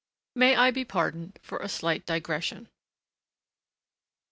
May I be pardoned for a slight digression.